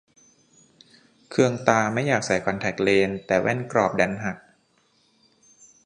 เคืองตาไม่อยากใส่คอนแทค แต่แว่นกรอบดันหัก